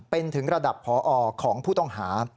เป็นถึงระดับพอของผู้ต้องหา